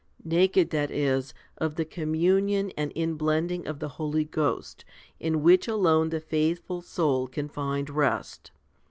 52 FIFTY SPIRITUAL HOMILIES naked, that is, of the communion and inblending of the Holy Ghost, in which alone the faithful soul can find rest.